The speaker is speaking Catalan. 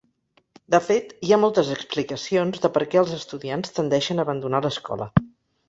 De fet, hi ha moltes explicacions de per què els estudiants tendeixen a abandonar l'escola.